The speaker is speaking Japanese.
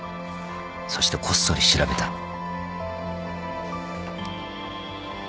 そしてこっそり調べた。